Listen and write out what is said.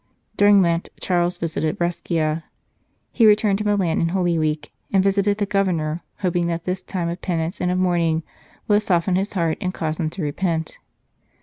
During Lent Charles visited Brescia. He returned to Milan in Holy Week, and visited the Governor, hoping that this time of penance and of mourning would soften his heart and cause him to repent.